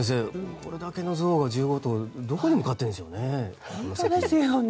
これだけのゾウどこに向かっているんでしょうね。